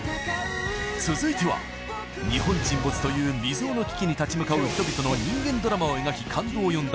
続いては日本沈没という未曽有の危機に立ち向かう人々の人間ドラマを描き感動を呼んだ